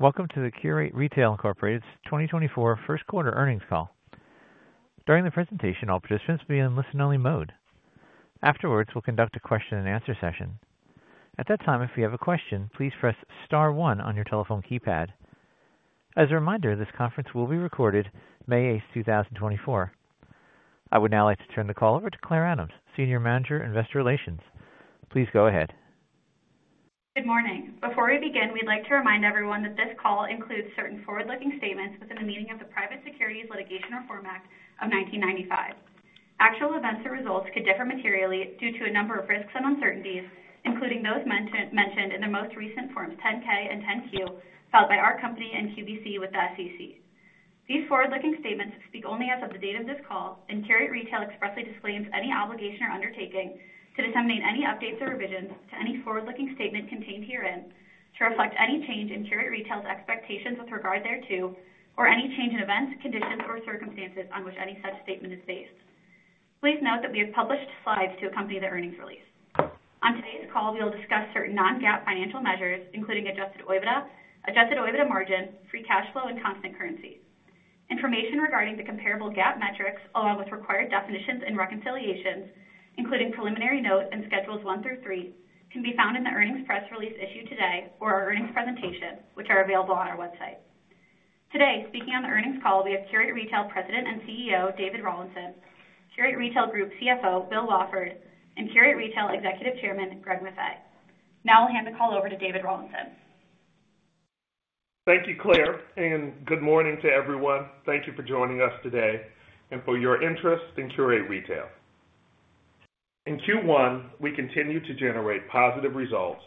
Welcome to the Qurate Retail Incorporated's 2024 first quarter earnings call. During the presentation, all participants will be in listen-only mode. Afterwards, we'll conduct a question and answer session. At that time, if you have a question, please press star one on your telephone keypad. As a reminder, this conference will be recorded May 8th, 2024. I would now like to turn the call over to Claire Adams, Senior Manager, Investor Relations. Please go ahead. Good morning. Before we begin, we'd like to remind everyone that this call includes certain forward-looking statements within the meaning of the Private Securities Litigation Reform Act of 1995. Actual events or results could differ materially due to a number of risks and uncertainties, including those mentioned in the most recent Forms 10-K and 10-Q filed by our company and QVC with the SEC. These forward-looking statements speak only as of the date of this call, and Qurate Retail expressly disclaims any obligation or undertaking to disseminate any updates or revisions to any forward-looking statement contained herein to reflect any change in Qurate Retail's expectations with regard thereto, or any change in events, conditions, or circumstances on which any such statement is based. Please note that we have published slides to accompany the earnings release. On today's call, we'll discuss certain non-GAAP financial measures, including adjusted OIBDA, adjusted OIBDA margin, free cash flow, and constant currency. Information regarding the comparable GAAP metrics, along with required definitions and reconciliations, including preliminary notes and Schedules one through three, can be found in the earnings press release issued today or our earnings presentation, which are available on our website. Today, speaking on the earnings call, we have Qurate Retail President and CEO, David Rawlinson, Qurate Retail Group CFO, Bill Wafford, and Qurate Retail Executive Chairman, Greg Maffei. Now I'll hand the call over to David Rawlinson. Thank you, Claire, and good morning to everyone. Thank you for joining us today and for your interest in Qurate Retail. In Q1, we continued to generate positive results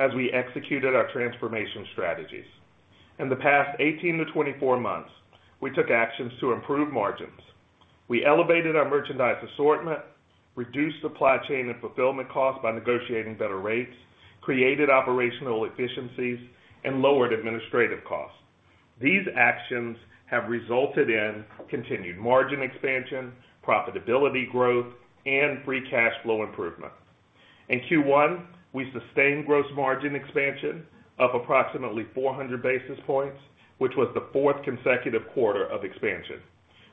as we executed our transformation strategies. In the past 18-24 months, we took actions to improve margins. We elevated our merchandise assortment, reduced supply chain and fulfillment costs by negotiating better rates, created operational efficiencies, and lowered administrative costs. These actions have resulted in continued margin expansion, profitability growth, and free cash flow improvement. In Q1, we sustained gross margin expansion of approximately 400 basis points, which was the fourth consecutive quarter of expansion.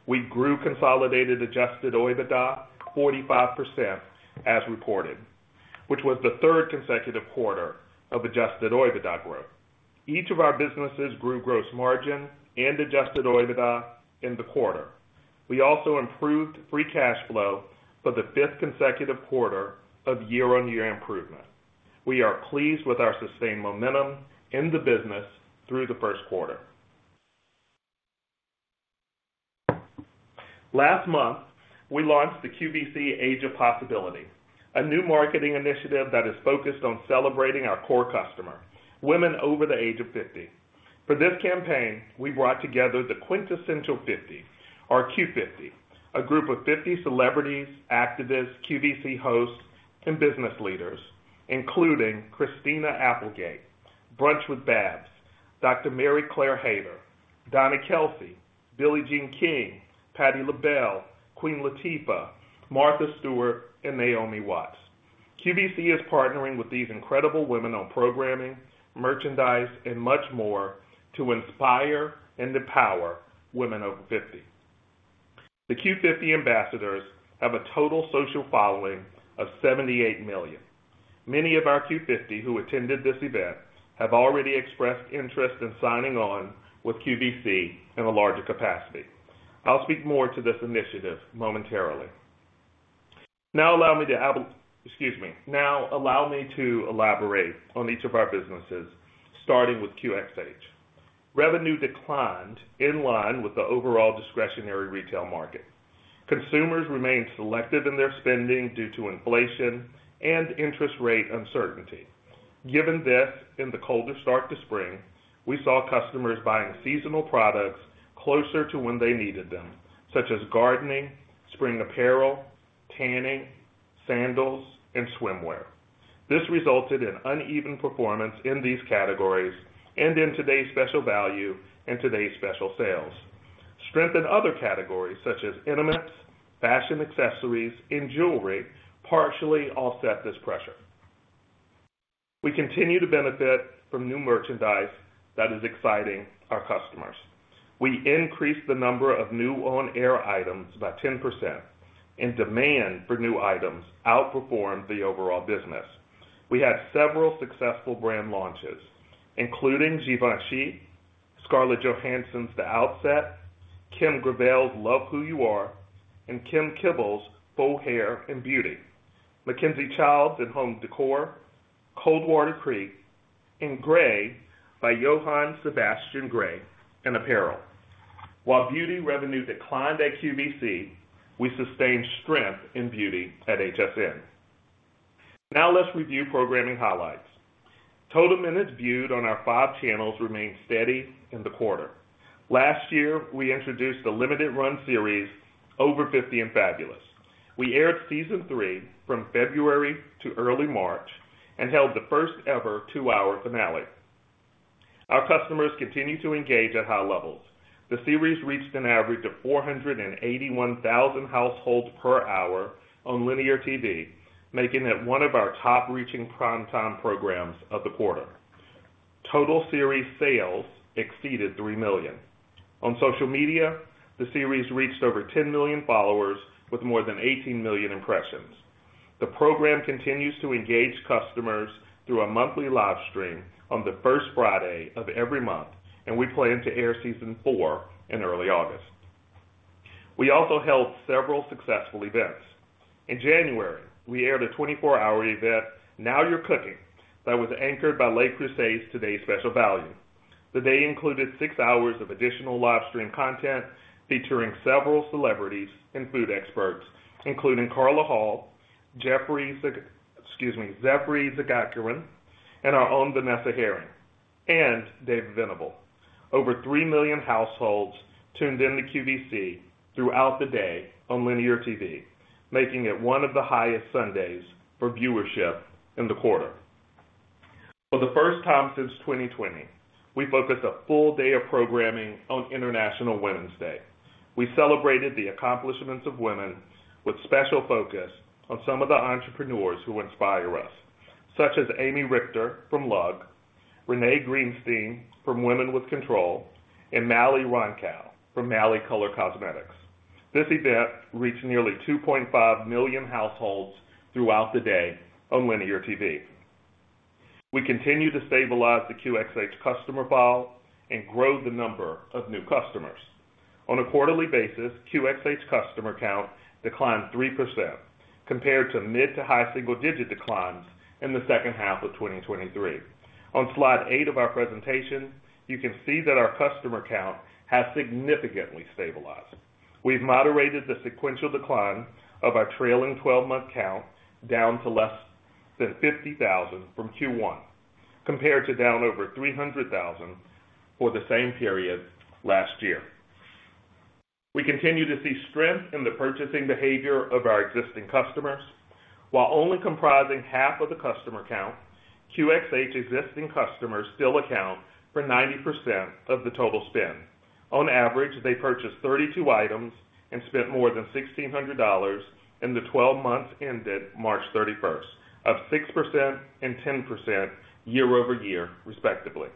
We grew consolidated adjusted OIBDA 45% as reported, which was the third consecutive quarter of adjusted OIBDA growth. Each of our businesses grew gross margin and adjusted OIBDA in the quarter. We also improved free cash flow for the fifth consecutive quarter of year-on-year improvement. We are pleased with our sustained momentum in the business through the first quarter. Last month, we launched the QVC Age of Possibility, a new marketing initiative that is focused on celebrating our core customer, women over the age of 50. For this campaign, we brought together the Quintessential 50, our Q50, a group of 50 celebrities, activists, QVC hosts, and business leaders, including Christina Applegate, Brunch with Babs, Dr. Mary Claire Haver, Donna Kelce, Billie Jean King, Patti LaBelle, Queen Latifah, Martha Stewart, and Naomi Watts. QVC is partnering with these incredible women on programming, merchandise, and much more to inspire and empower women over 50. The Q50 ambassadors have a total social following of 78 million. Many of our Q50 who attended this event have already expressed interest in signing on with QVC in a larger capacity. I'll speak more to this initiative momentarily. Now allow me to elaborate on each of our businesses, starting with QxH. Revenue declined in line with the overall discretionary retail market. Consumers remained selective in their spending due to inflation and interest rate uncertainty. Given this, in the colder start to spring, we saw customers buying seasonal products closer to when they needed them, such as gardening, spring apparel, tanning, sandals, and swimwear. This resulted in uneven performance in these categories and in Today's Special Value and today's special sales. Strength in other categories such as intimates, fashion accessories, and jewelry, partially offset this pressure. We continue to benefit from new merchandise that is exciting our customers. We increased the number of new on-air items by 10%, and demand for new items outperformed the overall business. We had several successful brand launches, including Givenchy, Scarlett Johansson's The Outset, Kim Gravelle's Love Who You Are, and Kim Kimble's Faux Hair and Beauty, MacKenzie-Childs home decor, Coldwater Creek, and Grey by Jhoan Sebastian Grey in apparel. While beauty revenue declined at QVC, we sustained strength in beauty at HSN. Now let's review programming highlights. Total minutes viewed on our five channels remained steady in the quarter. Last year, we introduced the limited run series, Over 50 and Fabulous. We aired Season Three from February to early March and held the first-ever two-hour finale. Our customers continued to engage at high levels.... The series reached an average of 481,000 households per hour on linear TV, making it one of our top reaching primetime programs of the quarter. Total series sales exceeded $3 million. On social media, the series reached over 10 million followers with more than 18 million impressions. The program continues to engage customers through a monthly live stream on the first Friday of every month, and we plan to air Season Four in early August. We also held several successful events. In January, we aired a 24-hour event, Now You're Cooking, that was anchored by Le Creuset Today's Special Value. The day included six hours of additional live stream content featuring several celebrities and food experts, including Carla Hall, Geoffrey Zakarian, and our own Vanessa Herring and David Venable. Over 3 million households tuned in to QVC throughout the day on linear TV, making it one of the highest Sundays for viewership in the quarter. For the first time since 2020, we focused a full day of programming on International Women's Day. We celebrated the accomplishments of women with special focus on some of the entrepreneurs who inspire us, such as Amy Richter from Lug, Renee Greenstein from Women with Control, and Mally Roncal from Mally Color Cosmetics. This event reached nearly 2.5 million households throughout the day on linear TV. We continue to stabilize the QXH customer file and grow the number of new customers. On a quarterly basis, QXH customer count declined 3% compared to mid- to high-single-digit declines in the second half of 2023. On slide eight of our presentation, you can see that our customer count has significantly stabilized. We've moderated the sequential decline of our trailing 12-month count down to less than 50,000 from Q1, compared to down over 300,000 for the same period last year. We continue to see strength in the purchasing behavior of our existing customers, while only comprising half of the customer count, QXH existing customers still account for 90% of the total spend. On average, they purchased 32 items and spent more than $1,600 in the 12 months ended March 31, up 6% and 10% year-over-year, respectively.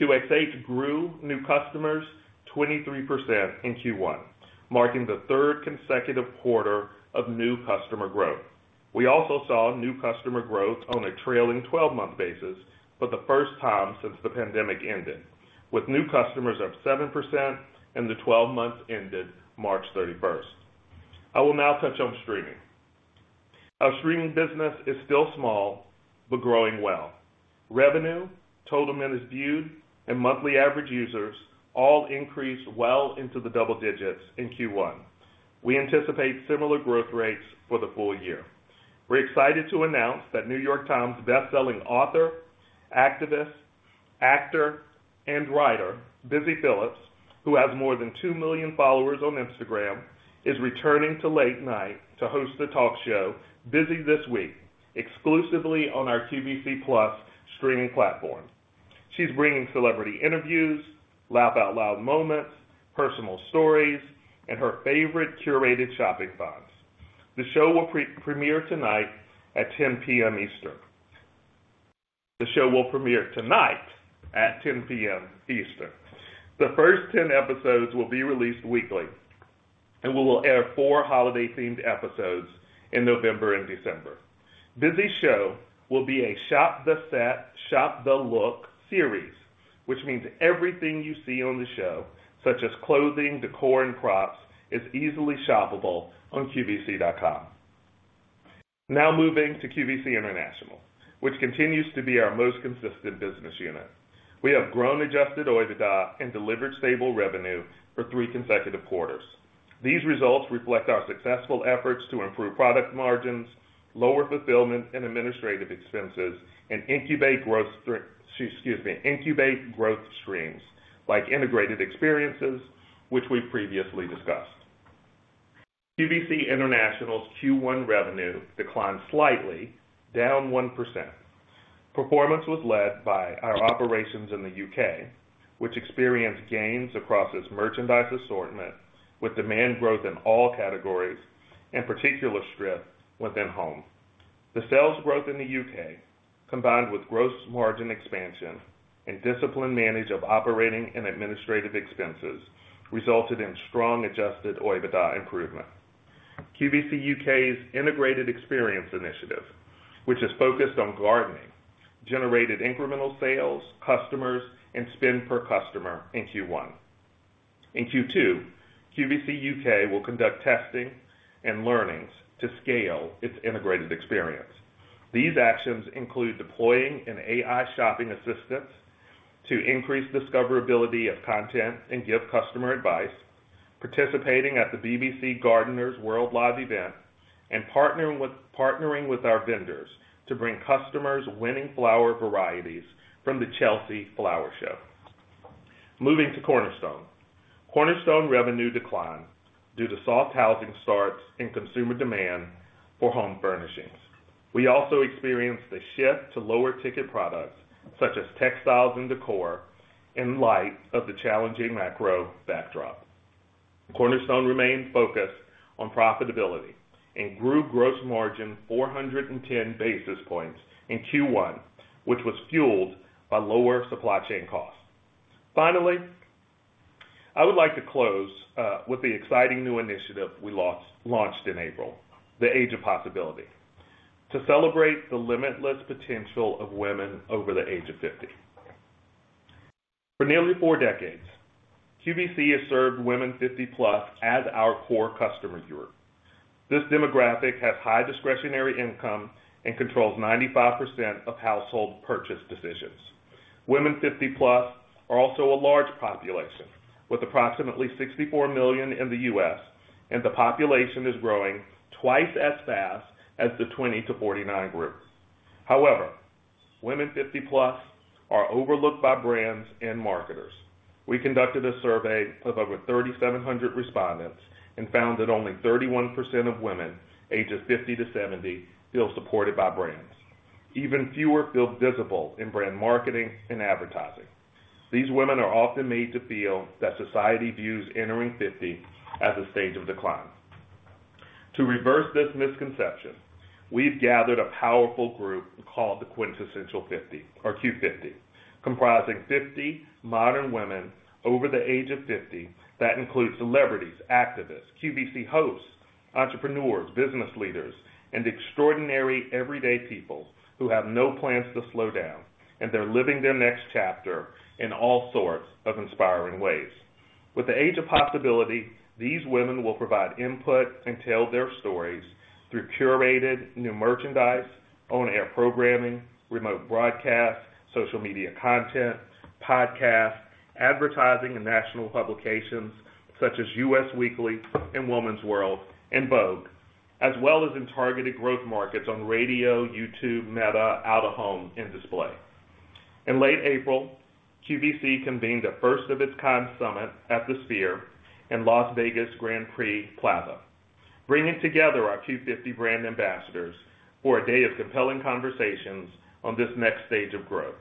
QXH grew new customers 23% in Q1, marking the third consecutive quarter of new customer growth. We also saw new customer growth on a trailing 12-month basis for the first time since the pandemic ended, with new customers up 7% in the 12 months ended March 31. I will now touch on streaming. Our streaming business is still small, but growing well. Revenue, total minutes viewed, and monthly average users all increased well into the double digits in Q1. We anticipate similar growth rates for the full year. We're excited to announce that New York Times best-selling author, activist, actor, and writer, Busy Philipps, who has more than 2 million followers on Instagram, is returning to late night to host the talk show, Busy This Week, exclusively on our QVC Plus streaming platform. She's bringing celebrity interviews, laugh out loud moments, personal stories, and her favorite curated shopping finds. The show will premiere tonight at 10:00 P.M. Eastern. The show will premiere tonight at 10:00 P.M. Eastern. The first 10 episodes will be released weekly, and we will air four holiday-themed episodes in November and December. Busy’s show will be a shop-the-set, shop-the-look series, which means everything you see on the show, such as clothing, decor, and props, is easily shoppable on QVC.com. Now moving to QVC International, which continues to be our most consistent business unit. We have grown adjusted OIBDA and delivered stable revenue for three consecutive quarters. These results reflect our successful efforts to improve product margins, lower fulfillment and administrative expenses, and incubate growth streams, like integrated experiences, which we previously discussed. QVC International’s Q1 revenue declined slightly, down 1%. Performance was led by our operations in the U.K., which experienced gains across its merchandise assortment, with demand growth in all categories and particular strength within home. The sales growth in the U.K., combined with gross margin expansion and disciplined management of operating and administrative expenses, resulted in strong adjusted OIBDA improvement. QVC U.K.'s integrated experience initiative, which is focused on gardening, generated incremental sales, customers, and spend per customer in Q1. In Q2, QVC U.K. will conduct testing and learnings to scale its integrated experience. These actions include deploying an AI shopping assistant to increase discoverability of content and give customer advice, participating at the BBC Gardeners' World Live event, and partnering with our vendors to bring customers winning flower varieties from the Chelsea Flower Show. Moving to Cornerstone. Cornerstone revenue declined due to soft housing starts and consumer demand for home furnishings. We also experienced a shift to lower ticket products, such as textiles and decor, in light of the challenging macro backdrop. Cornerstone remains focused on profitability and grew gross margin 410 basis points in Q1, which was fueled by lower supply chain costs. Finally, I would like to close with the exciting new initiative we launched in April, the Age of Possibility, to celebrate the limitless potential of women over the age of 50. For nearly four decades, QVC has served women 50+ as our core customer viewer. This demographic has high discretionary income and controls 95% of household purchase decisions. Women 50+ are also a large population, with approximately 64 million in the U.S., and the population is growing twice as fast as the 20-49 group. However, women 50+ are overlooked by brands and marketers. We conducted a survey of over 3,700 respondents and found that only 31% of women ages 50-70 feel supported by brands. Even fewer feel visible in brand marketing and advertising. These women are often made to feel that society views entering 50 as a stage of decline. To reverse this misconception, we've gathered a powerful group called the Quintessential 50, or Q50, comprising 50 modern women over the age of 50 that includes celebrities, activists, QVC hosts, entrepreneurs, business leaders, and extraordinary everyday people who have no plans to slow down, and they're living their next chapter in all sorts of inspiring ways. With the Age of Possibility, these women will provide input and tell their stories through curated new merchandise, on-air programming, remote broadcast, social media content, podcasts, advertising in national publications such as US Weekly and Woman's World and Vogue, as well as in targeted growth markets on radio, YouTube, Meta, out of home, and display. In late April, QVC convened a first of its kind summit at the Sphere in Las Vegas Grand Prix Plaza, bringing together our Q50 brand ambassadors for a day of compelling conversations on this next stage of growth,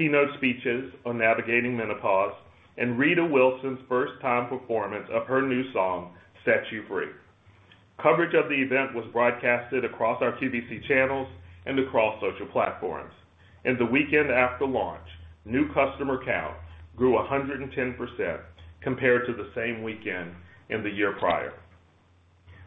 keynote speeches on navigating menopause, and Rita Wilson's first time performance of her new song, Set You Free. Coverage of the event was broadcasted across our QVC channels and across social platforms. In the weekend after launch, new customer count grew 110% compared to the same weekend in the year prior.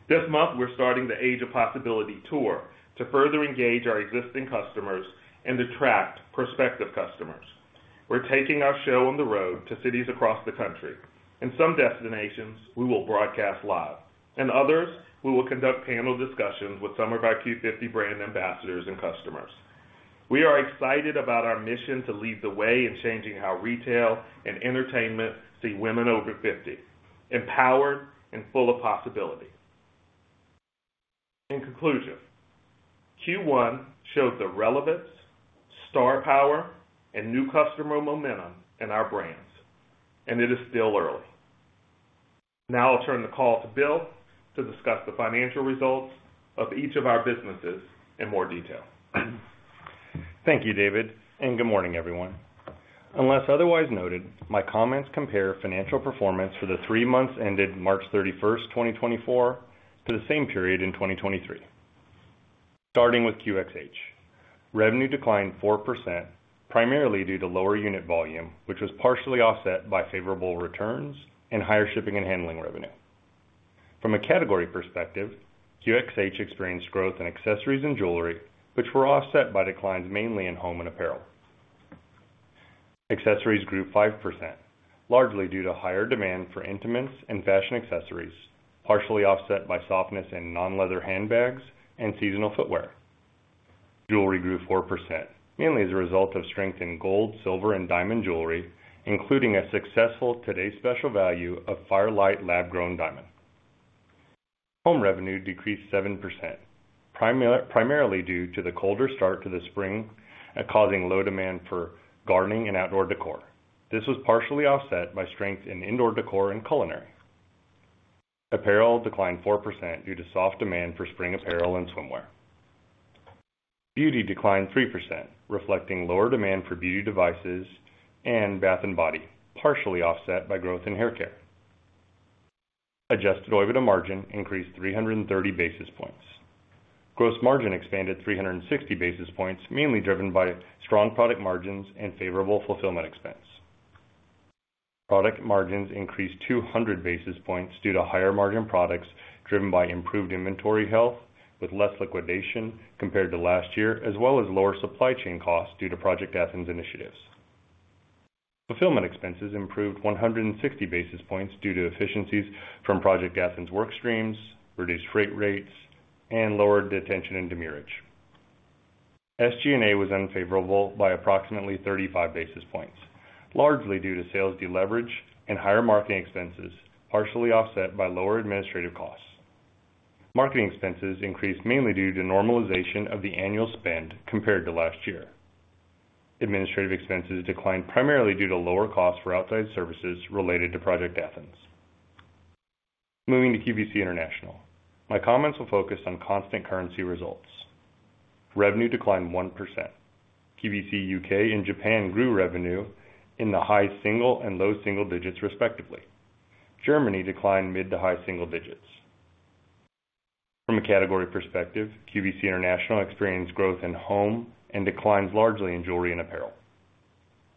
This month, we're starting the Age of Possibility tour to further engage our existing customers and attract prospective customers. We're taking our show on the road to cities across the country. In some destinations, we will broadcast live, and others, we will conduct panel discussions with some of our Q50 brand ambassadors and customers. We are excited about our mission to lead the way in changing how retail and entertainment see women over 50, empowered and full of possibility. In conclusion, Q1 showed the relevance, star power, and new customer momentum in our brands, and it is still early. Now I'll turn the call to Bill to discuss the financial results of each of our businesses in more detail. Thank you, David, and good morning, everyone. Unless otherwise noted, my comments compare financial performance for the three months ended March 31st, 2024, to the same period in 2023. Starting with QXH. Revenue declined 4%, primarily due to lower unit volume, which was partially offset by favorable returns and higher shipping and handling revenue. From a category perspective, QXH experienced growth in accessories and jewelry, which were offset by declines mainly in home and apparel. Accessories grew 5%, largely due to higher demand for intimates and fashion accessories, partially offset by softness in non-leather handbags and seasonal footwear. Jewelry grew 4%, mainly as a result of strength in gold, silver, and diamond jewelry, including a successful Today's Special Value of Fire Light lab-grown diamond. Home revenue decreased 7%, primarily due to the colder start to the spring, causing low demand for gardening and outdoor decor. This was partially offset by strength in indoor decor and culinary. Apparel declined 4% due to soft demand for spring apparel and swimwear. Beauty declined 3%, reflecting lower demand for beauty devices and bath and body, partially offset by growth in hair care. Adjusted OIBDA margin increased 300 basis points. Gross margin expanded 360 basis points, mainly driven by strong product margins and favorable fulfillment expense. Product margins increased 200 basis points due to higher margin products, driven by improved inventory health with less liquidation compared to last year, as well as lower supply chain costs due to Project Athens initiatives. Fulfillment expenses improved 160 basis points due to efficiencies from Project Athens work streams, reduced freight rates, and lower detention and demurrage. SG&A was unfavorable by approximately 35 basis points, largely due to sales deleverage and higher marketing expenses, partially offset by lower administrative costs. Marketing expenses increased mainly due to normalization of the annual spend compared to last year.... Administrative expenses declined primarily due to lower costs for outside services related to Project Athens. Moving to QVC International. My comments will focus on constant currency results. Revenue declined 1%. QVC UK and Japan grew revenue in the high single and low single digits, respectively. Germany declined mid- to high-single digits. From a category perspective, QVC International experienced growth in home and declines largely in jewelry and apparel.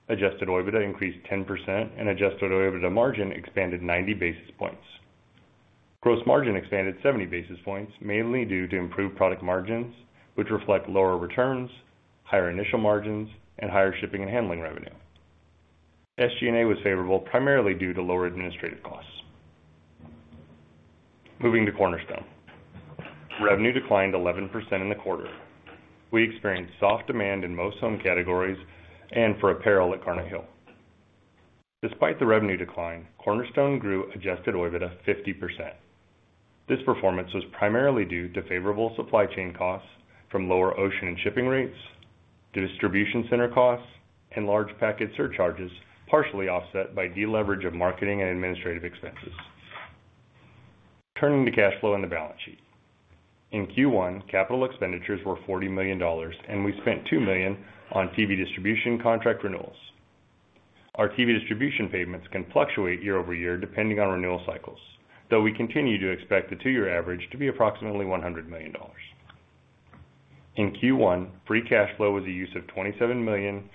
Adjusted OIBDA increased 10% and adjusted OIBDA margin expanded 90 basis points. Gross margin expanded 70 basis points, mainly due to improved product margins, which reflect lower returns, higher initial margins, and higher shipping and handling revenue. SG&A was favorable, primarily due to lower administrative costs. Moving to Cornerstone. Revenue declined 11% in the quarter. We experienced soft demand in most home categories and for apparel at Garnet Hill. Despite the revenue decline, Cornerstone grew adjusted OIBDA 50%. This performance was primarily due to favorable supply chain costs from lower ocean and shipping rates, to distribution center costs, and large packet surcharges, partially offset by deleverage of marketing and administrative expenses. Turning to cash flow and the balance sheet. In Q1, capital expenditures were $40 million, and we spent $2 million on TV distribution contract renewals. Our TV distribution payments can fluctuate year-over-year, depending on renewal cycles, though we continue to expect the two-year average to be approximately $100 million. In Q1, free cash flow was a use of $27 million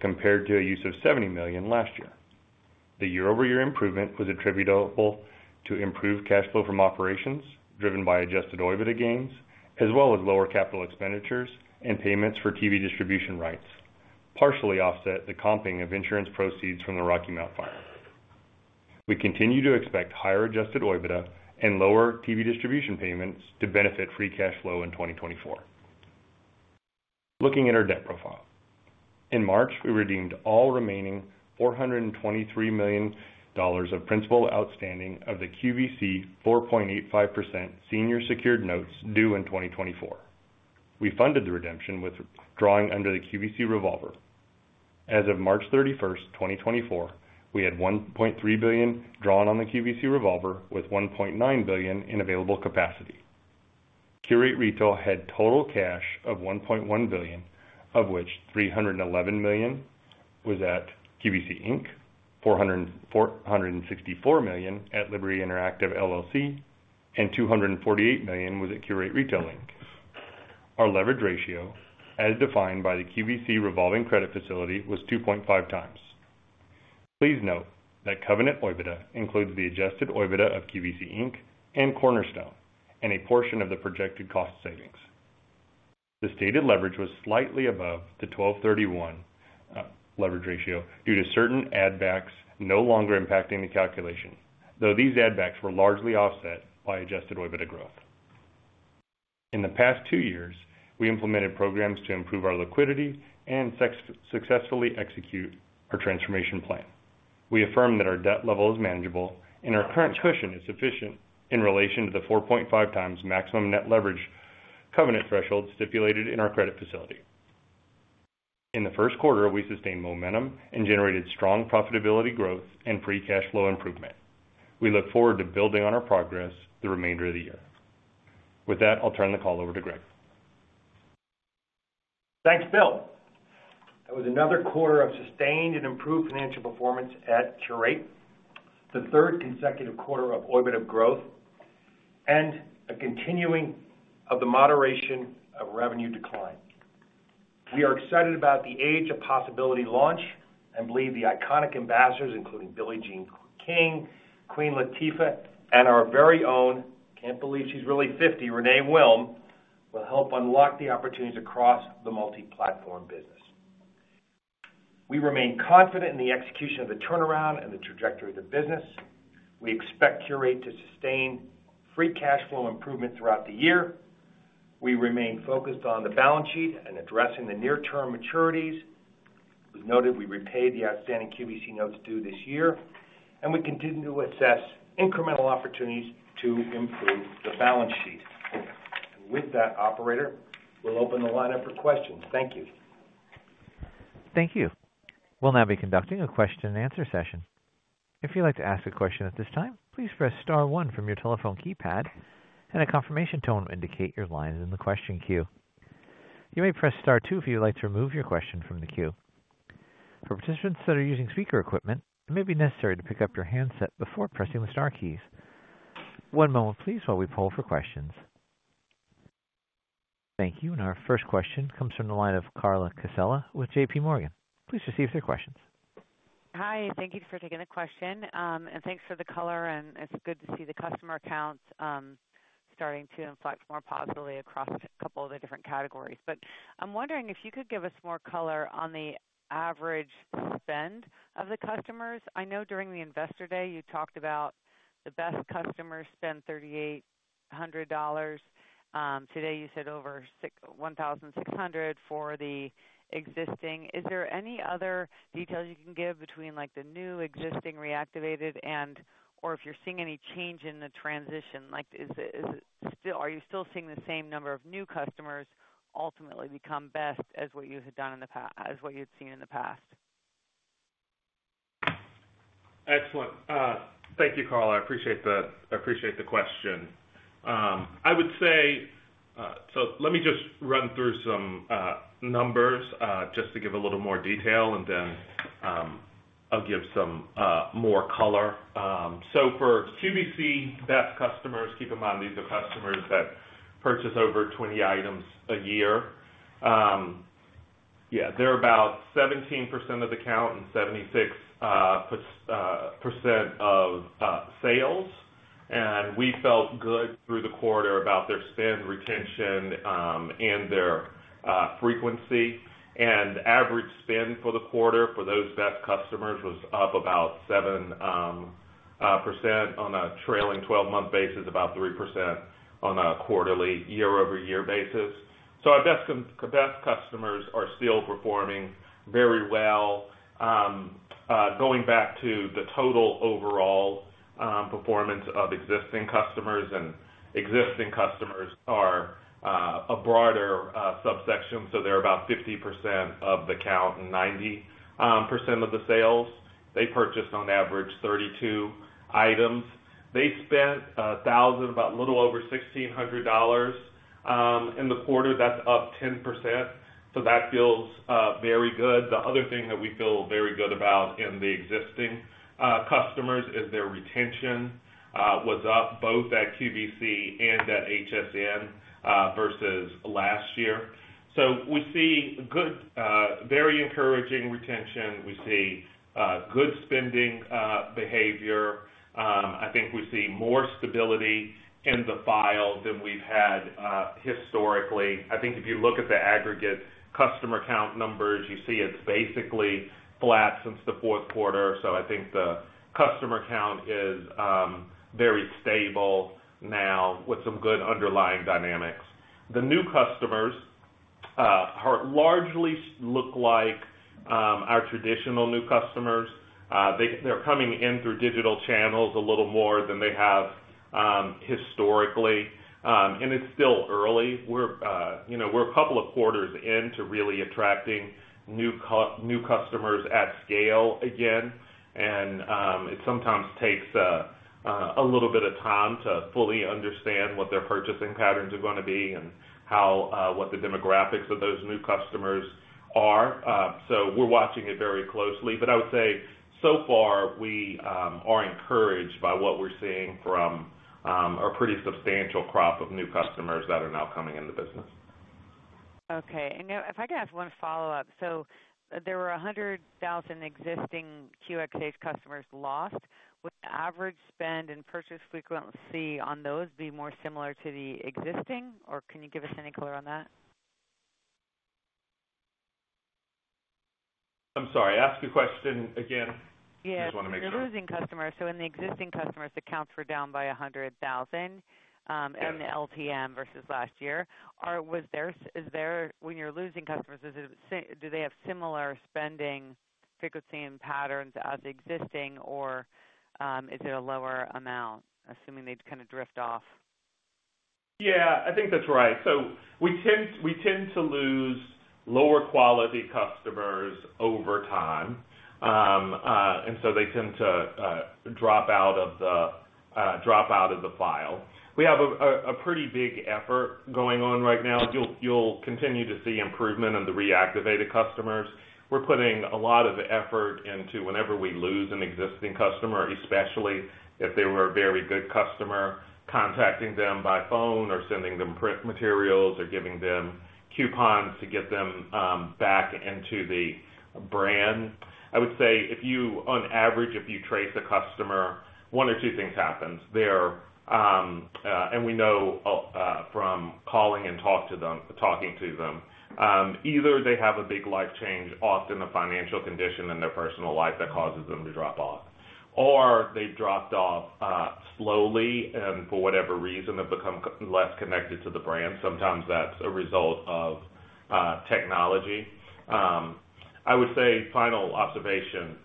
compared to a use of $70 million last year. The year-over-year improvement was attributable to improved cash flow from operations, driven by adjusted OIBDA gains, as well as lower capital expenditures and payments for TV distribution rights, partially offset the comping of insurance proceeds from the Rocky Mount fire. We continue to expect higher adjusted OIBDA and lower TV distribution payments to benefit free cash flow in 2024. Looking at our debt profile. In March, we redeemed all remaining $423 million of principal outstanding of the QVC 4.85% senior secured notes due in 2024. We funded the redemption with drawing under the QVC revolver. As of March 31st, 2024, we had $1.3 billion drawn on the QVC revolver, with $1.9 billion in available capacity. Qurate Retail had total cash of $1.1 billion, of which $311 million was at QVC Inc, $464 million at Liberty Interactive, LLC, and $248 million was at Qurate Retail, Inc. Our leverage ratio, as defined by the QVC revolving credit facility, was 2.5x. Please note that covenant OIBDA includes the adjusted OIBDA of QVC Inc and Cornerstone, and a portion of the projected cost savings. The stated leverage was slightly above the 12/31 leverage ratio due to certain add backs no longer impacting the calculation, though these add backs were largely offset by adjusted OIBDA growth. In the past two years, we implemented programs to improve our liquidity and successfully execute our transformation plan. We affirm that our debt level is manageable, and our current cushion is sufficient in relation to the 4.5x maximum net leverage covenant threshold stipulated in our credit facility. In the first quarter, we sustained momentum and generated strong profitability growth and free cash flow improvement. We look forward to building on our progress the remainder of the year. With that, I'll turn the call over to Greg. Thanks, Bill. That was another quarter of sustained and improved financial performance at Qurate, the third consecutive quarter of OIBDA growth and a continuing of the moderation of revenue decline. We are excited about the Age of Possibility launch and believe the iconic ambassadors, including Billie Jean King, Queen Latifah, and our very own, can't believe she's really 50, Renee Wilm, will help unlock the opportunities across the multi-platform business. We remain confident in the execution of the turnaround and the trajectory of the business. We expect Qurate to sustain free cash flow improvement throughout the year. We remain focused on the balance sheet and addressing the near-term maturities. As noted, we repaid the outstanding QVC notes due this year, and we continue to assess incremental opportunities to improve the balance sheet. With that operator, we'll open the line up for questions. Thank you. Thank you. We'll now be conducting a question and answer session. If you'd like to ask a question at this time, please press star one from your telephone keypad, and a confirmation tone will indicate your line is in the question queue. You may press star two if you'd like to remove your question from the queue. For participants that are using speaker equipment, it may be necessary to pick up your handset before pressing the star keys. One moment, please, while we poll for questions. Thank you. Our first question comes from the line of Carla Casella with JPMorgan. Please proceed with your questions. Hi, thank you for taking the question, and thanks for the color, and it's good to see the customer accounts starting to inflect more positively across a couple of the different categories. But I'm wondering if you could give us more color on the average spend of the customers. I know during the Investor Day, you talked about the best customers spend $3,800. Today, you said over six-- $1,600 for the existing. Is there any other details you can give between, like, the new, existing, reactivated, and-- or if you're seeing any change in the transition? Like, is it, is it still-- are you still seeing the same number of new customers ultimately become best as what you have done in the past-- as what you've seen in the past?... Excellent. Thank you, Carla. I appreciate the, I appreciate the question. I would say, so let me just run through some numbers, just to give a little more detail, and then, I'll give some more color. So for QVC best customers, keep in mind, these are customers that purchase over 20 items a year. Yeah, they're about 17% of the count and 76% of sales, and we felt good through the quarter about their spend retention and their frequency. And average spend for the quarter for those best customers was up about 7% on a trailing 12-month basis, about 3% on a quarterly year-over-year basis. So our best customers are still performing very well. Going back to the total overall performance of existing customers, and existing customers are a broader subsection, so they're about 50% of the count and 90% of the sales. They purchased on average 32 items. They spent about a little over $1,600 in the quarter. That's up 10%, so that feels very good. The other thing that we feel very good about in the existing customers is their retention was up both at QVC and at HSN versus last year. So we see good very encouraging retention. We see good spending behavior. I think we see more stability in the file than we've had historically. I think if you look at the aggregate customer count numbers, you see it's basically flat since the fourth quarter. So I think the customer count is very stable now with some good underlying dynamics. The new customers are largely look like our traditional new customers. They're coming in through digital channels a little more than they have historically. And it's still early. We're, you know, we're a couple of quarters in to really attracting new customers at scale again, and it sometimes takes a little bit of time to fully understand what their purchasing patterns are gonna be and how what the demographics of those new customers are. So we're watching it very closely, but I would say, so far, we are encouraged by what we're seeing from a pretty substantial crop of new customers that are now coming in the business. Okay, and now if I could ask one follow-up? There were 100,000 existing QXH customers lost. Would the average spend and purchase frequency on those be more similar to the existing, or can you give us any color on that? I'm sorry, ask the question again. Yeah. I just wanna make sure. The losing customers, so in the existing customers, the counts were down by 100,000. Yeah... in the LTM versus last year. When you're losing customers, do they have similar spending frequency and patterns as existing, or is it a lower amount, assuming they'd kind of drift off? Yeah, I think that's right. So we tend to lose lower quality customers over time. And so they tend to drop out of the file. We have a pretty big effort going on right now. You'll continue to see improvement in the reactivated customers. We're putting a lot of effort into whenever we lose an existing customer, especially if they were a very good customer, contacting them by phone or sending them print materials or giving them coupons to get them back into the brand. I would say, on average, if you trace a customer, one of two things happens. They're and we know from calling and talk to them, talking to them, either they have a big life change, often a financial condition in their personal life, that causes them to drop off, or they've dropped off slowly and for whatever reason, have become less connected to the brand. Sometimes that's a result of technology. I would say, final observation,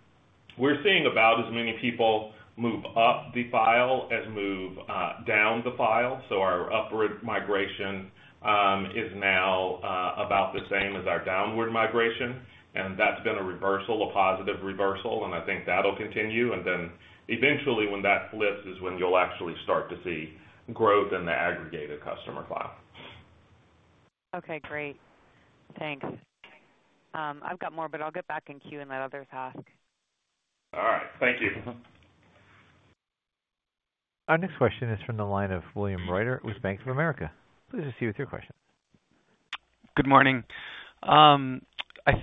we're seeing about as many people move up the file as move down the file. So our upward migration is now about the same as our downward migration, and that's been a reversal, a positive reversal, and I think that'll continue, and then eventually when that lifts is when you'll actually start to see growth in the aggregated customer file. Okay, great. Thanks. I've got more, but I'll get back in queue and let others ask. All right. Thank you. Our next question is from the line of William Reuter with Bank of America. Please proceed with your question. Good morning. I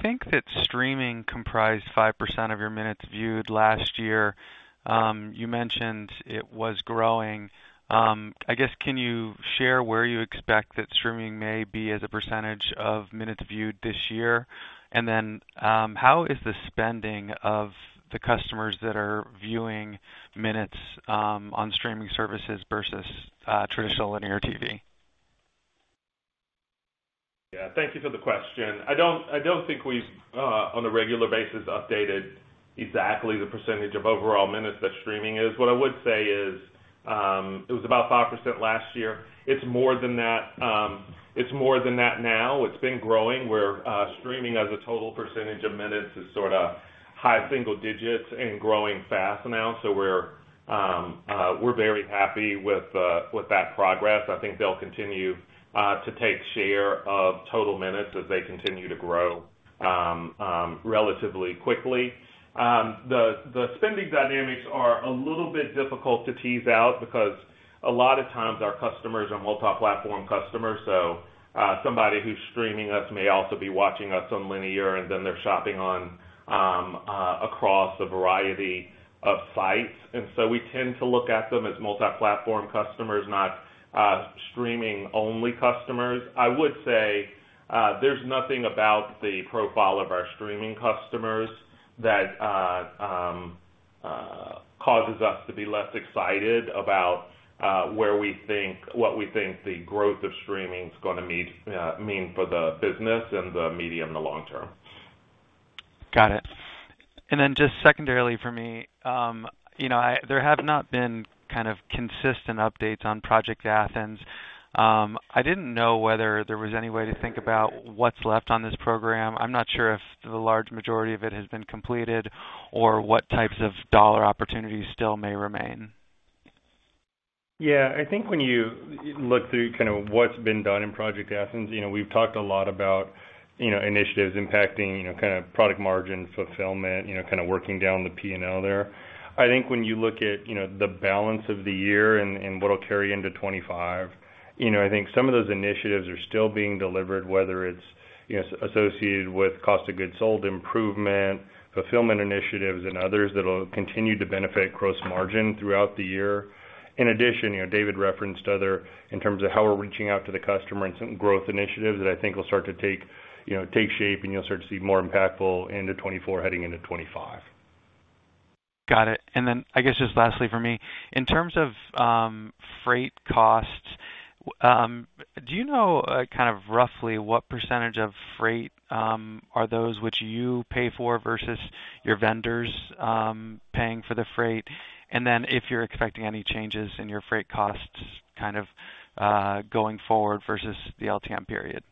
think that streaming comprised 5% of your minutes viewed last year. You mentioned it was growing. I guess, can you share where you expect that streaming may be as a percentage of minutes viewed this year? And then, how is the spending of the customers that are viewing minutes, on streaming services versus, traditional linear TV? Yeah, thank you for the question. I don't, I don't think we've on a regular basis updated exactly the percentage of overall minutes that streaming is. What I would say is it was about 5% last year. It's more than that, it's more than that now. It's been growing. We're streaming as a total percentage of minutes is sort of high single digits and growing fast now. So we're very happy with with that progress. I think they'll continue to take share of total minutes as they continue to grow relatively quickly. The spending dynamics are a little bit difficult to tease out because a lot of times our customers are multi-platform customers. So, somebody who's streaming us may also be watching us on linear, and then they're shopping on across a variety of sites. And so we tend to look at them as multi-platform customers, not streaming-only customers. I would say, there's nothing about the profile of our streaming customers that causes us to be less excited about where we think—what we think the growth of streaming is gonna mean mean for the business in the medium and the long term. Got it. And then just secondarily for me, you know, there have not been kind of consistent updates on Project Athens. I didn't know whether there was any way to think about what's left on this program. I'm not sure if the large majority of it has been completed, or what types of dollar opportunities still may remain. Yeah, I think when you look through kind of what's been done in Project Athens, you know, we've talked a lot about, you know, initiatives impacting, you know, kind of product margin, fulfillment, you know, kind of working down the P&L there. I think when you look at, you know, the balance of the year and, and what'll carry into 2025, you know, I think some of those initiatives are still being delivered, whether it's, you know, associated with cost of goods sold, improvement, fulfillment initiatives, and others that'll continue to benefit gross margin throughout the year. In addition, you know, David referenced other... in terms of how we're reaching out to the customer and some growth initiatives that I think will start to take, you know, take shape, and you'll start to see more impactful into 2024, heading into 2025. Got it. And then I guess just lastly for me, in terms of freight costs, do you know kind of roughly what percentage of freight are those which you pay for versus your vendors paying for the freight? And then if you're expecting any changes in your freight costs, kind of going forward versus the LTM period?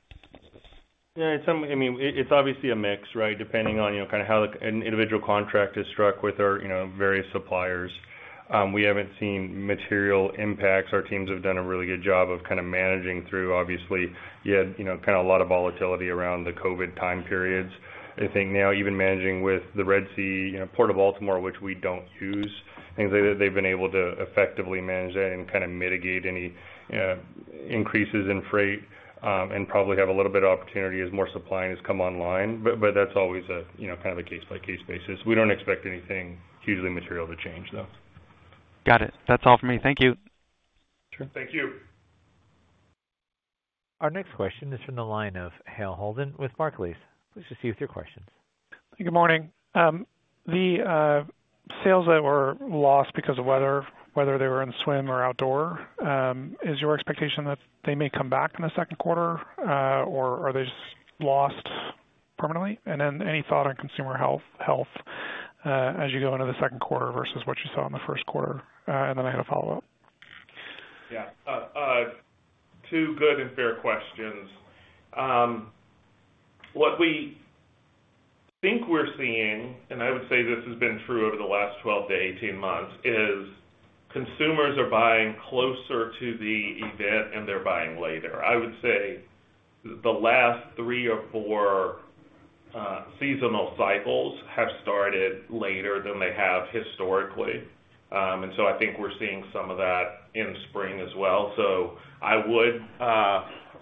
Yeah, I mean, it's obviously a mix, right? Depending on, you know, kind of how an individual contract is struck with our, you know, various suppliers. We haven't seen material impacts. Our teams have done a really good job of kind of managing through. Obviously, you had, you know, kind of a lot of volatility around the COVID time periods. I think now, even managing with the Red Sea, you know, Port of Baltimore, which we don't use, I think they've been able to effectively manage that and kind of mitigate any increases in freight, and probably have a little bit of opportunity as more supplying has come online. But that's always a, you know, kind of a case-by-case basis. We don't expect anything hugely material to change, though. Got it. That's all for me. Thank you. Sure. Thank you. Our next question is from the line of Hale Holden with Barclays. Please proceed with your questions. Good morning. The sales that were lost because of weather, whether they were in swim or outdoor, is your expectation that they may come back in the second quarter, or are they just lost permanently? And then any thought on consumer health as you go into the second quarter versus what you saw in the first quarter? And then I had a follow-up. Yeah. Two good and fair questions. What we think we're seeing, and I would say this has been true over the last 12-18 months, is consumers are buying closer to the event, and they're buying later. I would say the last three or four seasonal cycles have started later than they have historically. And so I think we're seeing some of that in spring as well. So I would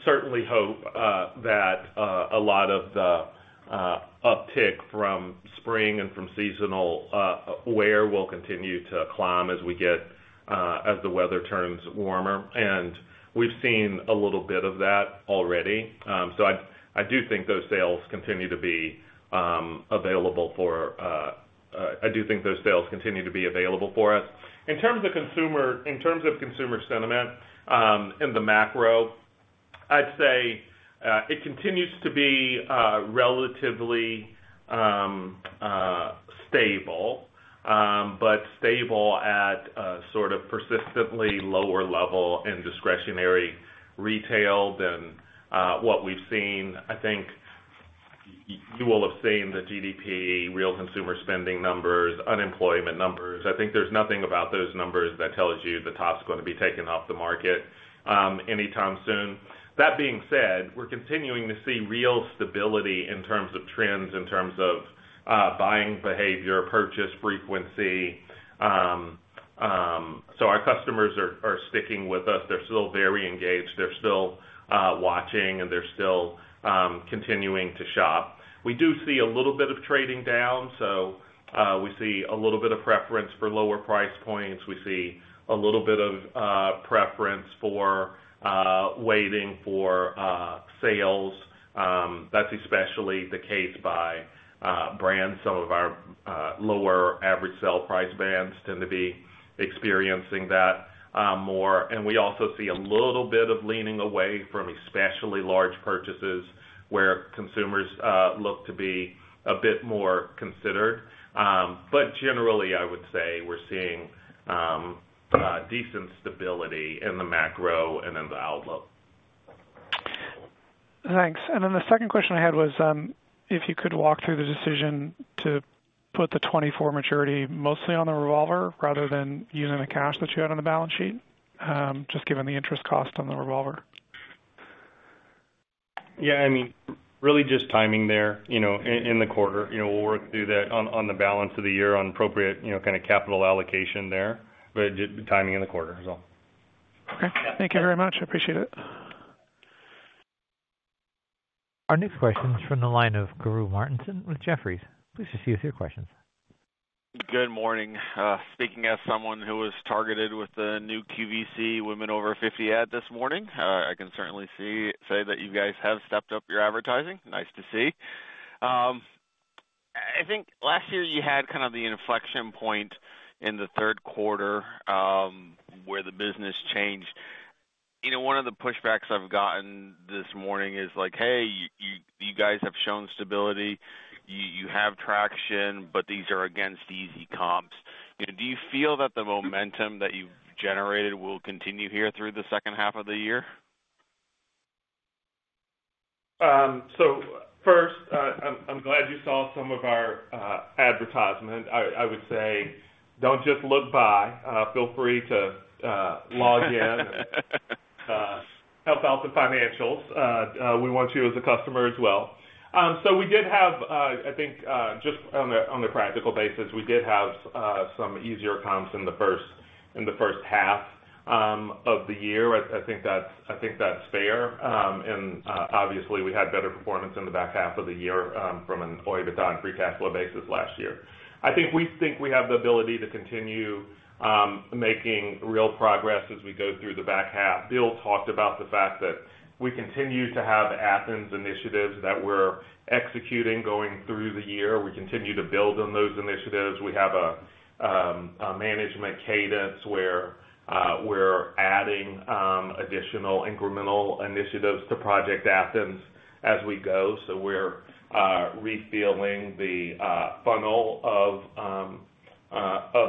certainly hope that a lot of the uptick from spring and from seasonal wear will continue to climb as we get as the weather turns warmer. And we've seen a little bit of that already. So I do think those sales continue to be available for us. I do think those sales continue to be available for us. In terms of consumer sentiment, in the macro, I'd say, it continues to be relatively stable, but stable at a sort of persistently lower level in discretionary retail than what we've seen. I think you all have seen the GDP, real consumer spending numbers, unemployment numbers. I think there's nothing about those numbers that tells you the top's gonna be taken off the market anytime soon. That being said, we're continuing to see real stability in terms of trends, in terms of buying behavior, purchase frequency. So our customers are sticking with us. They're still very engaged, they're still watching, and they're still continuing to shop. We do see a little bit of trading down, so we see a little bit of preference for lower price points. We see a little bit of preference for waiting for sales. That's especially the case by brands. Some of our lower average sale price bands tend to be experiencing that more. And we also see a little bit of leaning away from especially large purchases, where consumers look to be a bit more considered. But generally, I would say we're seeing decent stability in the macro and in the outlook.... Thanks. And then the second question I had was, if you could walk through the decision to put the 24 maturity mostly on the revolver, rather than using the cash that you had on the balance sheet, just given the interest cost on the revolver? Yeah, I mean, really just timing there, you know, in the quarter. You know, we'll work through that on the balance of the year on appropriate, you know, kind of capital allocation there, but just timing in the quarter is all. Okay. Thank you very much. I appreciate it. Our next question is from the line of Karru Martinson with Jefferies. Please proceed with your questions. Good morning. Speaking as someone who was targeted with the new QVC Women over 50 ad this morning, I can certainly say that you guys have stepped up your advertising. Nice to see. I think last year you had kind of the inflection point in the third quarter, where the business changed. You know, one of the pushbacks I've gotten this morning is like, "Hey, you guys have shown stability. You have traction, but these are against easy comps." Do you feel that the momentum that you've generated will continue here through the second half of the year? So first, I'm glad you saw some of our advertisement. I would say, don't just look by, feel free to log in. Help out the financials. We want you as a customer as well. So we did have, I think, just on a practical basis, we did have some easier comps in the first half of the year. I think that's fair. And obviously, we had better performance in the back half of the year from an OIBIDA and free cash flow basis last year. I think we have the ability to continue making real progress as we go through the back half. Bill talked about the fact that we continue to have Athens initiatives that we're executing going through the year. We continue to build on those initiatives. We have a management cadence where we're adding additional incremental initiatives to Project Athens as we go. So we're refilling the funnel of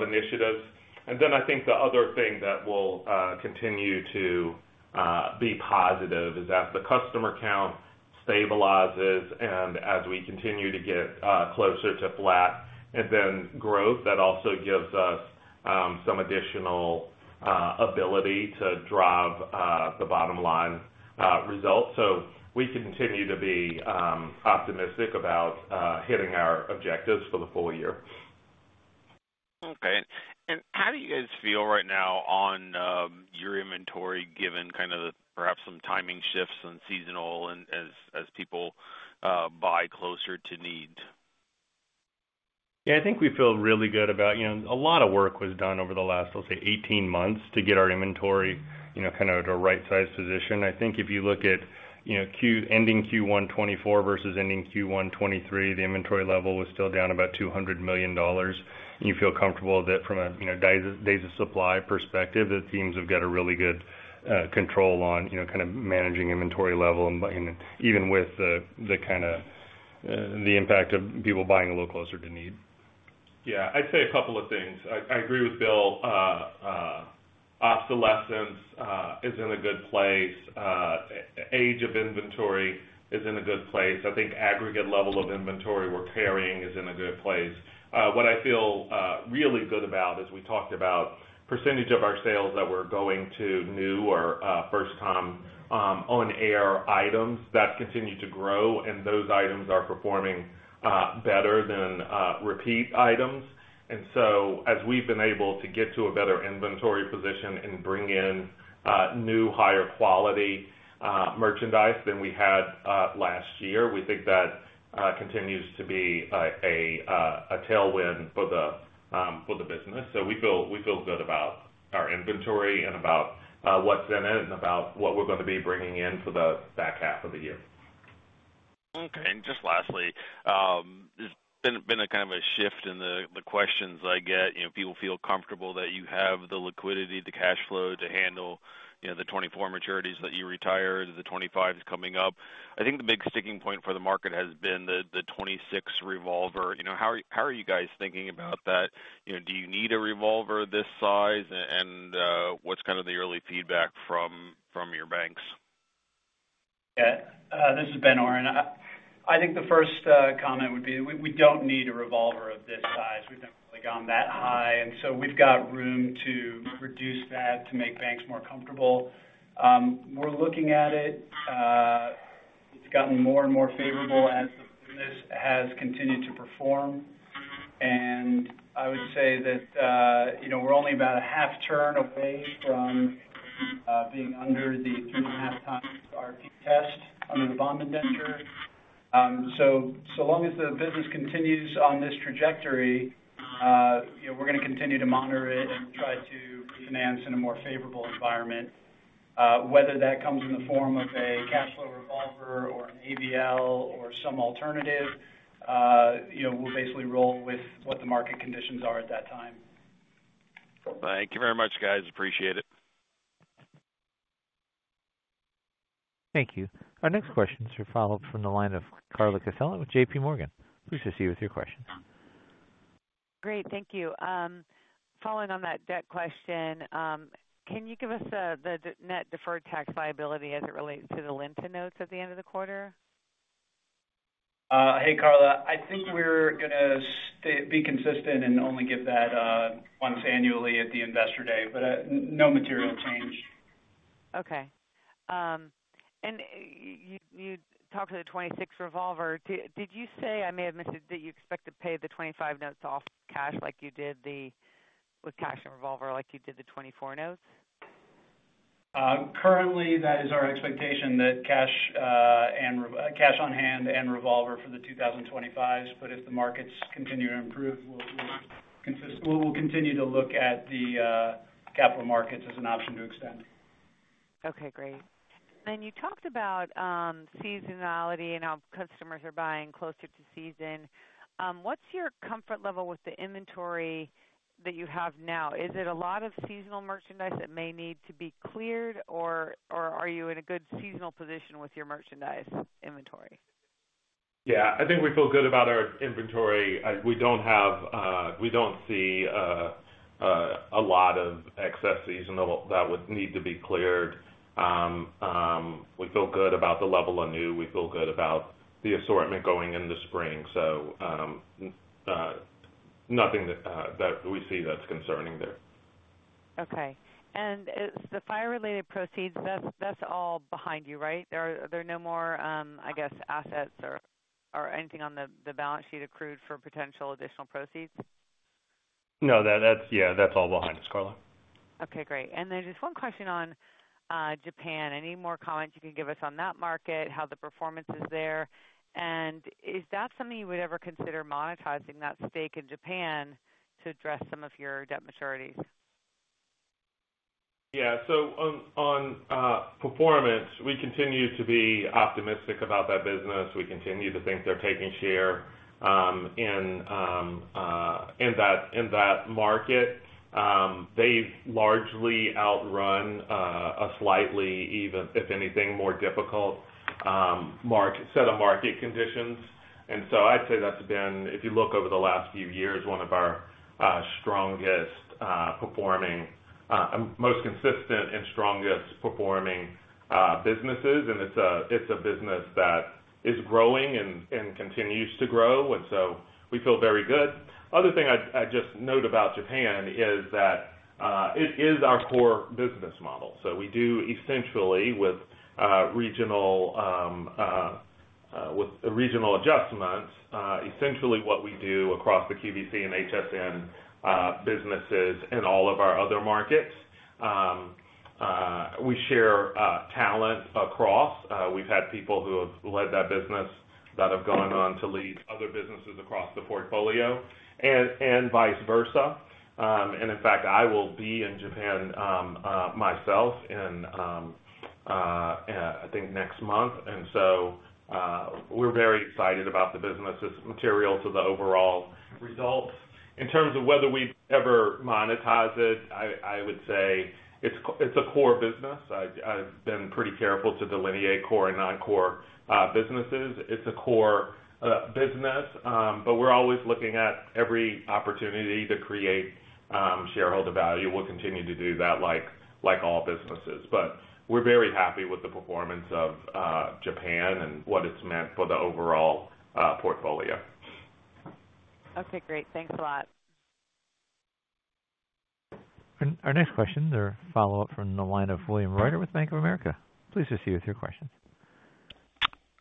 initiatives. And then I think the other thing that will continue to be positive is as the customer count stabilizes and as we continue to get closer to flat and then growth, that also gives us some additional ability to drive the bottom line results. So we continue to be optimistic about hitting our objectives for the full year. Okay. And how do you guys feel right now on your inventory, given kind of the perhaps some timing shifts and seasonal and as people buy closer to need? Yeah, I think we feel really good about. You know, a lot of work was done over the last, I'll say 18 months, to get our inventory, you know, kind of at a right-sized position. I think if you look at, you know, ending Q1 2024 versus ending Q1 2023, the inventory level was still down about $200 million. And you feel comfortable that from a, you know, days of supply perspective, the teams have got a really good control on, you know, kind of managing inventory level, and even with the kind of impact of people buying a little closer to need. Yeah, I'd say a couple of things. I agree with Bill. Obsolescence is in a good place. Age of inventory is in a good place. I think aggregate level of inventory we're carrying is in a good place. What I feel really good about, as we talked about percentage of our sales that were going to new or first-time on-air items, that continued to grow, and those items are performing better than repeat items. And so as we've been able to get to a better inventory position and bring in new, higher quality merchandise than we had last year, we think that continues to be a tailwind for the business. So we feel, we feel good about our inventory and about what's in it and about what we're gonna be bringing in for the back half of the year. Okay. And just lastly, there's been a kind of a shift in the questions I get. You know, people feel comfortable that you have the liquidity, the cash flow to handle, you know, the 2024 maturities that you retired, the 2025s coming up. I think the big sticking point for the market has been the 2026 revolver. You know, how are you guys thinking about that? You know, do you need a revolver this size? And, what's kind of the early feedback from your banks? Yeah. This is Ben Oren. I think the first comment would be, we don't need a revolver of this size. We've never really gone that high, and so we've got room to reduce that to make banks more comfortable. We're looking at it. It's gotten more and more favorable as the business has continued to perform. And I would say that, you know, we're only about a half turn away from being under the 3.5x RP test under the bond indenture. So long as the business continues on this trajectory, you know, we're gonna continue to monitor it and try to refinance in a more favorable environment. Whether that comes in the form of a cash flow revolver or an ABL or some alternative, you know, we'll basically roll with what the market conditions are at that time. Thank you very much, guys. Appreciate it. Thank you. Our next questions are from the line of Carla Casella with JPMorgan. Please proceed with your questions.... Great. Thank you. Following on that debt question, can you give us the net deferred tax liability as it relates to the Liberty notes at the end of the quarter? Hey, Carla. I think we're gonna be consistent and only give that once annually at the Investor Day, but no material change. Okay. And you talked to the 2026 revolver. Did you say, I may have missed it, that you expect to pay the 2025 notes off with cash like you did the with cash and revolver like you did the 2024 notes? Currently, that is our expectation, that cash on hand and revolver for the 2025s. But if the markets continue to improve, we'll continue to look at the capital markets as an option to extend. Okay, great. And you talked about seasonality and how customers are buying closer to season. What's your comfort level with the inventory that you have now? Is it a lot of seasonal merchandise that may need to be cleared, or, or are you in a good seasonal position with your merchandise inventory? Yeah, I think we feel good about our inventory. We don't see a lot of excess seasonal that would need to be cleared. We feel good about the level of new, we feel good about the assortment going into spring. So, nothing that we see that's concerning there. Okay. And as the fire-related proceeds, that's, that's all behind you, right? There are, there are no more, I guess, assets or, or anything on the, the balance sheet accrued for potential additional proceeds? No, that's all behind us, Carla. Okay, great. And then just one question on Japan. Any more comments you can give us on that market, how the performance is there? And is that something you would ever consider monetizing, that stake in Japan, to address some of your debt maturities? Yeah. So on performance, we continue to be optimistic about that business. We continue to think they're taking share in that market. They've largely outrun a slightly, even, if anything, more difficult market set of market conditions. And so I'd say that's been, if you look over the last few years, one of our strongest performing, most consistent and strongest performing businesses. And it's a business that is growing and continues to grow, and so we feel very good. Other thing I'd just note about Japan is that it is our core business model. So we do essentially with regional adjustments, essentially what we do across the QVC and HSN businesses in all of our other markets. We share talent across. We've had people who have led that business that have gone on to lead other businesses across the portfolio, and vice versa. And in fact, I will be in Japan myself in I think next month. And so, we're very excited about the business. It's material to the overall results. In terms of whether we'd ever monetize it, I would say it's a core business. I've been pretty careful to delineate core and non-core businesses. It's a core business, but we're always looking at every opportunity to create shareholder value. We'll continue to do that like all businesses. But we're very happy with the performance of Japan and what it's meant for the overall portfolio. Okay, great. Thanks a lot. Our next questions are follow-up from the line of William Reuter with Bank of America. Please proceed with your questions.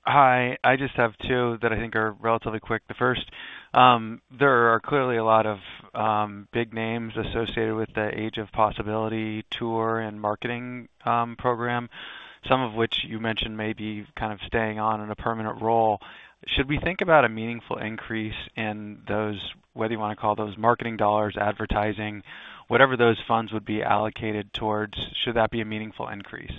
Hi, I just have two that I think are relatively quick. The first, there are clearly a lot of, big names associated with the Age of Possibility Tour and marketing, program, some of which you mentioned may be kind of staying on in a permanent role. Should we think about a meaningful increase in those, whether you wanna call those marketing dollars, advertising, whatever those funds would be allocated towards, should that be a meaningful increase?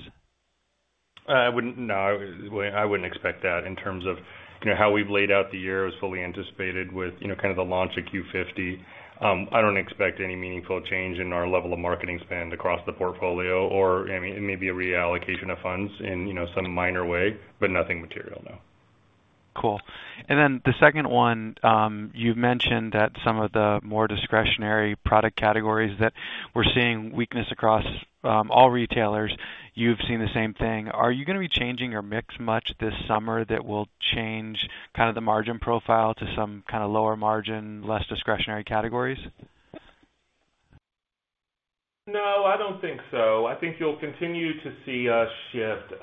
I wouldn't expect that in terms of, you know, how we've laid out the year is fully anticipated with, you know, kind of the launch of Q50. I don't expect any meaningful change in our level of marketing spend across the portfolio, or, I mean, it may be a reallocation of funds in, you know, some minor way, but nothing material, no. Cool. And then the second one, you've mentioned that some of the more discretionary product categories that we're seeing weakness across all retailers, you've seen the same thing. Are you gonna be changing your mix much this summer that will change kind of the margin profile to some kind of lower margin, less discretionary categories? No, I don't think so. I think you'll continue to see us shift,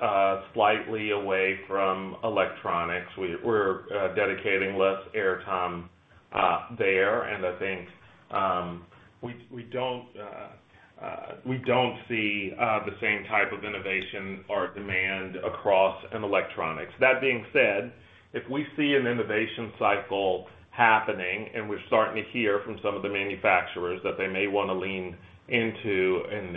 slightly away from electronics. We're dedicating less airtime there, and I think we don't see the same type of innovation or demand across in electronics. That being said... If we see an innovation cycle happening, and we're starting to hear from some of the manufacturers that they may want to lean into an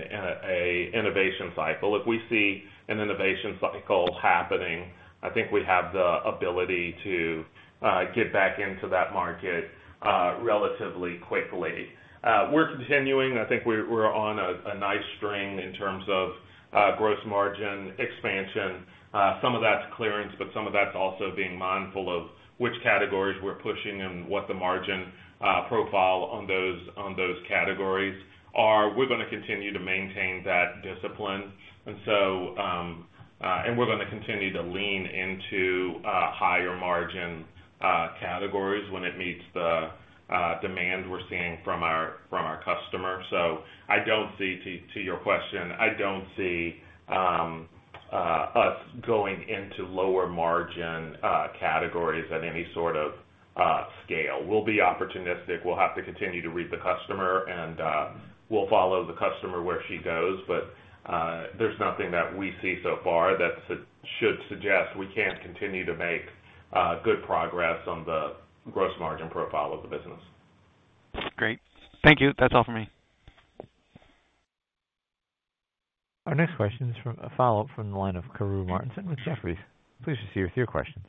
innovation cycle, if we see an innovation cycle happening, I think we have the ability to get back into that market relatively quickly. We're continuing. I think we're on a nice string in terms of gross margin expansion. Some of that's clearance, but some of that's also being mindful of which categories we're pushing and what the margin profile on those, on those categories are. We're gonna continue to maintain that discipline, and so, and we're gonna continue to lean into higher margin categories when it meets the demand we're seeing from our, from our customers. So I don't see, to your question, I don't see us going into lower margin categories at any sort of scale. We'll be opportunistic. We'll have to continue to read the customer, and we'll follow the customer where she goes. But there's nothing that we see so far that should suggest we can't continue to make good progress on the gross margin profile of the business. Great. Thank you. That's all for me. Our next question is from a follow-up from the line of Karru Martinson with Jefferies. Please proceed with your questions.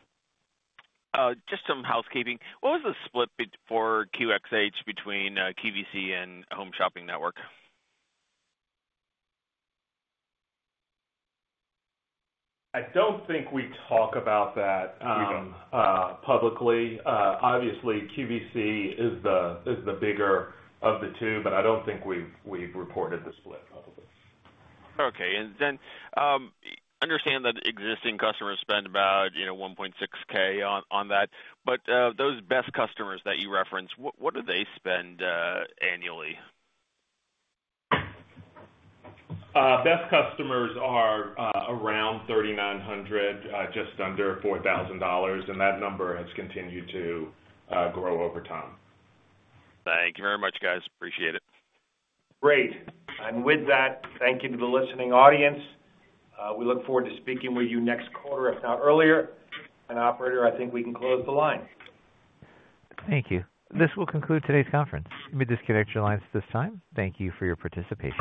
Just some housekeeping. What was the split for QXH between QVC and Home Shopping Network? I don't think we talk about that. publicly. Obviously, QVC is the bigger of the two, but I don't think we've reported the split publicly. Okay. And then, understand that existing customers spend about, you know, $1,600 on that, but those best customers that you referenced, what do they spend annually? Best customers are around $3,900, just under $4,000, and that number has continued to grow over time. Thank you very much, guys. Appreciate it. Great. With that, thank you to the listening audience. We look forward to speaking with you next quarter, if not earlier. Operator, I think we can close the line. Thank you. This will conclude today's conference. You may disconnect your lines at this time. Thank you for your participation.